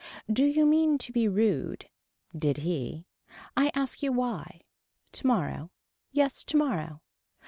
Do you mean to be rude. Did he. I ask you why. Tomorrow. Yes tomorrow.